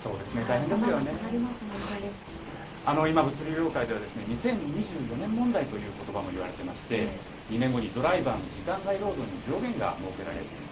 頭が下がります、今、物流業界では、２０２４年問題ということばもいわれてまして、２年後にドライバーの時間外労働に上限が設けられると。